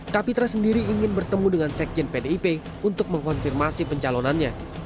kapitra sendiri ingin bertemu dengan sekjen pdip untuk mengkonfirmasi pencalonannya